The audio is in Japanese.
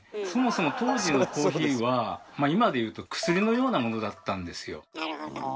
そもそも当時のコーヒーは今でいうと薬のようなものだったんですよ。